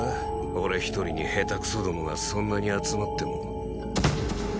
俺一人に下手くそどもがそんなに集まっても。